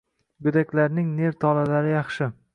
Goʻdaklarning nerv tolalari yaxshi